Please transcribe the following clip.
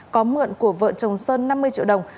có mượn của vợ chồng sơn năm mươi triệu đồng